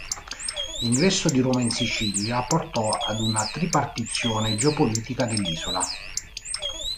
L'ingresso di Roma in Sicilia portò ad una tripartizione geo-politica dell'isola.